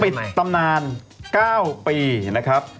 ปิดตำนานเก้าปีนะครับ